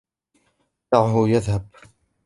دعه يذهب!